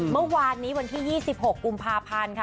เมื่อวานนี้วันที่๒๖กุมภาพันธ์ค่ะ